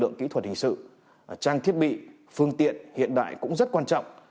lực lượng kỹ thuật hình sự trang thiết bị phương tiện hiện đại cũng rất quan trọng